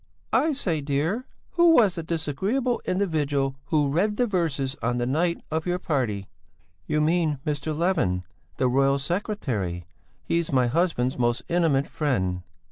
"I say, dear, who was the disagreeable individual who read the verses on the night of your party?" "You mean Mr. Levin; the royal secretary; he's my husband's most intimate friend."